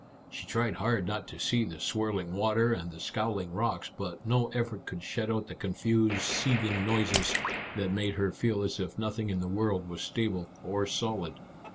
She tried hard not to see the swirling water and the scowling rocks, but no effort could shut out the confused seething noises that made her feel as if nothing in the world was stable or solid.